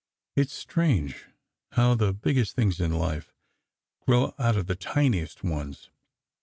It s strange how the biggest things of life grow out of the tiniest ones.